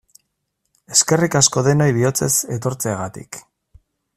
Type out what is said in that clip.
Eskerrik asko denoi bihotzez etortzeagatik!